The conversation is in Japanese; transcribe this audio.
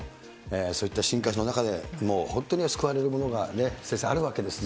そういった進化の中で、本当に救われるものが先生、あるわけですね。